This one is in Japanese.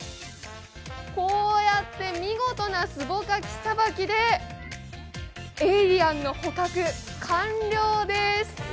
こうやって見事なすぼかきさばきでエイリアンの捕獲、完了です。